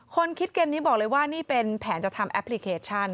คนคิดเกมนี้บอกเลยว่านี่เป็นแผนจะทำแอปพลิเคชัน